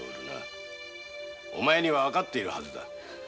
お前にはわかっているはずだ。